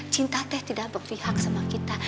cinta teh tidak berpihak sama kita